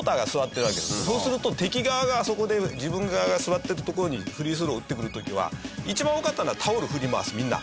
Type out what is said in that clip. そうすると敵側があそこで自分が座ってる所にフリースロー打ってくる時は一番多かったのはタオル振り回すみんな。